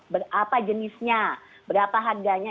berapa jenisnya berapa harganya